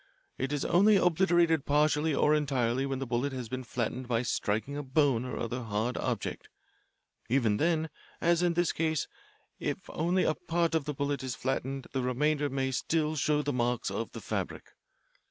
It is only obliterated partially or entirely when the bullet has been flattened by striking a bone or other hard object. Even then, as in this case, if only a part of the bullet is flattened the remainder may still show the marks of the fabric.